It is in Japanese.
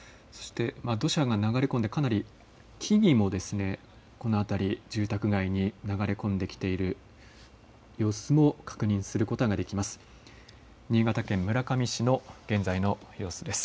土砂が流れ込んで、かなり木々もこの辺り、住宅街に流れ込んできている様子も確認することができます。